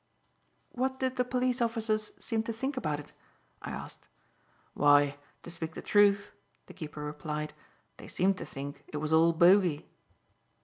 "What did the police officers seem to think about it?" I asked. "Why, to speak the truth," the keeper replied, "they seemed to think it was all bogey."